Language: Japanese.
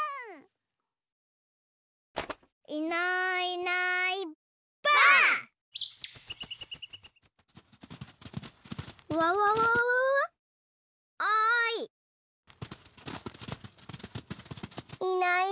いないいない。